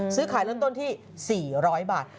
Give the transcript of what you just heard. ซื้อขายเริ่มต้นที่๔๐๐บาท